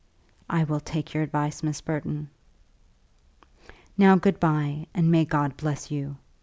"I will take your advice, Miss Burton. Now, good by, and may God bless you.